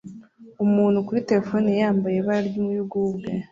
Umuntu kuri terefone yambaye ibara ry'umuyugubwe